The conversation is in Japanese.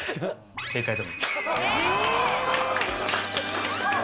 正解です。